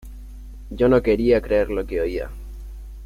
Yo no quería creer lo que oía.